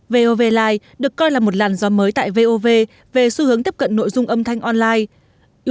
vovlive được coi là một làn gió mới tại vov về xu hướng tiếp cận nội dung âm thanh online